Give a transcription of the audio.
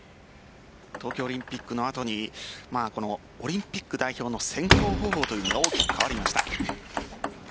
東京オリンピックの後にオリンピック代表の選考方法というのが大きく変わりました。